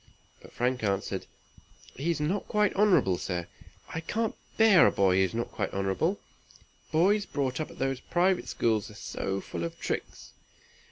But Frank answered, "He is not quite honorable, sir. I can't bear a boy who is not quite honorable. Boys brought up at those private schools are so full of tricks!"